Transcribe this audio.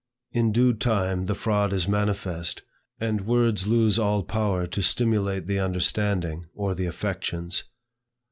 In due time, the fraud is manifest, and words lose all power to stimulate the understanding or the affections.